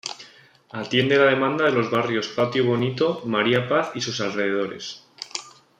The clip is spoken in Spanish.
Atiende la demanda de los barrios Patio Bonito, María Paz y sus alrededores.